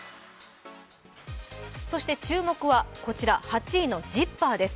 そして注目はこちら８位のＺｉｐｐｅｒです。